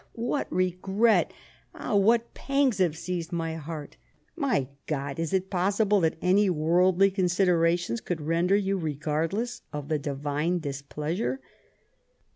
ah, what regret! ah, what pangs have seized my heart 1 My God, is it possible that any worldly considerations could render you regardless of the Divine displeasure